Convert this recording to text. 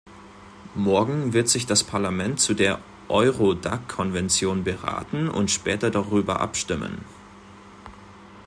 Morgen wird sich das Parlament zu der Eurodac-Konvention beraten und später darüber abstimmen.